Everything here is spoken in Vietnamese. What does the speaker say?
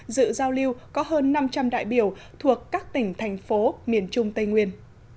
dự giao lưu có hơn năm trăm linh đại biểu thuộc các tỉnh thành phố miền trung tây nguyên